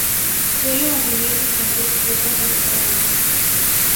Suele mantenerse en las copas de los árboles.